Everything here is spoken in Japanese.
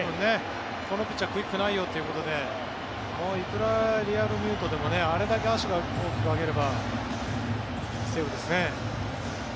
このピッチャークイックないよということでいくらリアルミュートでもあれだけ足を大きく上げればセーフですね。